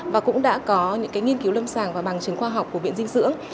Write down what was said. và cũng đã có những nghiên cứu lâm sàng và bằng chứng khoa học của viện dinh dưỡng